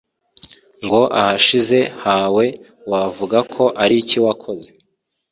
ngo ahashize hawe wavuga ko ariki wakoze